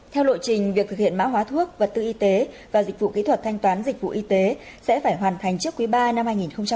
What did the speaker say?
theo lộ trình việc thực hiện mã hóa thuốc vật tư y tế và dịch vụ kỹ thuật thanh toán dịch vụ y tế sẽ phải hoàn thành trước quý ba năm hai nghìn hai mươi